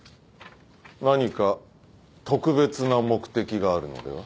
何か特別な目的があるのでは？